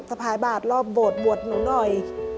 สะพายบาดรอบบวชบวชหนูหน่อย